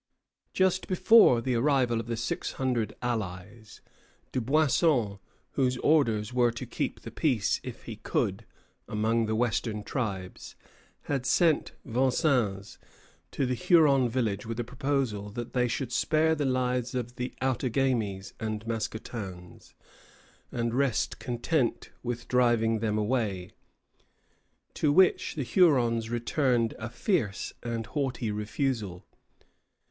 Just before the arrival of the six hundred allies, Dubuisson, whose orders were to keep the peace, if he could, among the western tribes, had sent Vincennes to the Huron village with a proposal that they should spare the lives of the Outagamies and Mascoutins, and rest content with driving them away; to which the Hurons returned a fierce and haughty refusal.